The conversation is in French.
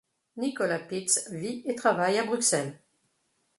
Nicolas Pitz vit et travaille à Bruxelles.